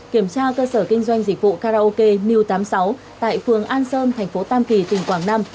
kiểm tra cơ sở kinh doanh dịch vụ karaoke new tám mươi sáu tại phường an sơn thành phố tam kỳ tỉnh quảng nam